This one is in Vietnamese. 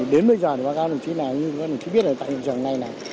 đến bây giờ thì bác áo đồng chí này như bác đồng chí biết là tại trường này này